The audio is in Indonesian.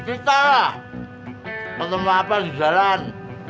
kita ketemu apa di jalan